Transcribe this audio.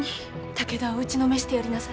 武田を打ちのめしてやりなされ。